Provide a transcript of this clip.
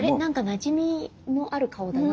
なじみのある顔。